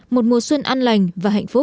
một mùa xuân an lành và hạnh phúc